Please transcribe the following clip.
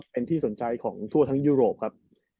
เป็นที่สนใจของทั่วทั้งยุโรปครับ